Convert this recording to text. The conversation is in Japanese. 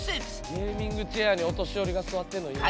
ゲーミングチェアにお年寄りが座ってるのいいな。